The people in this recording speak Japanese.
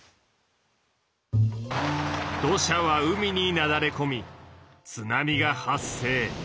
土砂は海になだれこみ津波が発生。